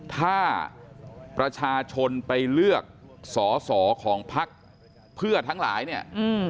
ถ้าประชาชนไปเลือกสอสอของพักเพื่อทั้งหลายเนี่ย